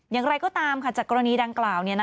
อย่างไรก็ตามจากกรณีดังกล่าว